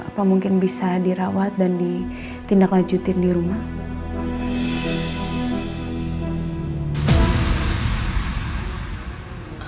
apa mungkin bisa dirawat dan ditindaklanjutin di rumah